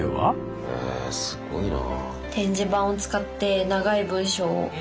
へえすごいな。